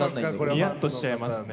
ニヤっとしちゃいますね。